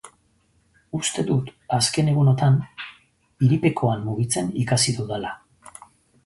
Uste dut azken egunotan hiripekoan mugitzen ikasi dudala.